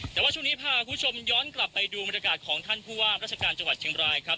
แต่ว่าช่วงนี้พาคุณผู้ชมย้อนกลับไปดูบรรยากาศของท่านผู้ว่าราชการจังหวัดเชียงบรายครับ